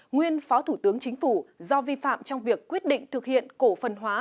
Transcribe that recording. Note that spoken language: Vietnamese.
nguyên phó thủ tướng chính phủ do vi phạm trong việc quyết định thực hiện cổ phần hóa